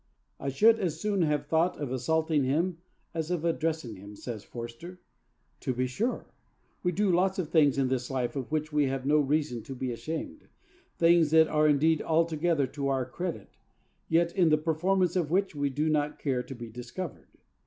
'I should as soon have thought of assaulting him as of addressing him,' says Forster. To be sure! We do lots of things in this life of which we have no reason to be ashamed, things that are indeed altogether to our credit, yet in the performance of which we do not care to be discovered.